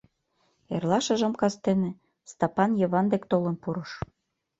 Эрлашыжым кастене Стапан Йыван дек толын пурыш.